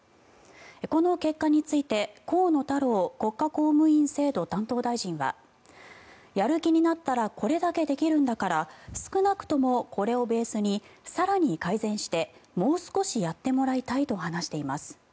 この結果について、河野太郎国家公務員制度担当大臣はやる気になったらこれだけできるんだから少なくとも、これをベースに更に改善してもう少しやってもらいたいと話しています。